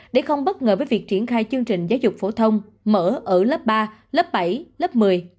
để không bất ngờ với việc triển khai chương trình giáo dục phổ thông mở ở lớp ba lớp bảy lớp một mươi